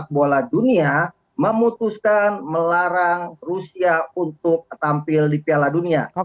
sepak bola dunia memutuskan melarang rusia untuk tampil di piala dunia